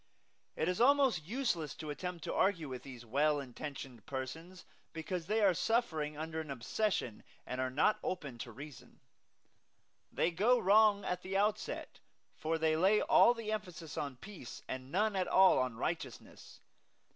It is almost useless to attempt to argue with these well intentioned persons, because they are suffering under an obsession and are not open to reason. They go wrong at the outset, for they lay all the emphasis on peace and none at all on righteousness.